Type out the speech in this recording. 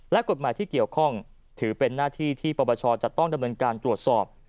และกฎหมายที่เกี่ยวข้องถือเป็นหน้าที่ที่ปปชจะต้องดำเนินการตรวจสอบ